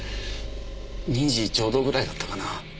２時ちょうどぐらいだったかな？